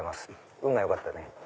運が良かったね。